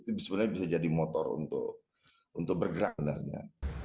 itu sebenarnya bisa jadi motor untuk bergerak sebenarnya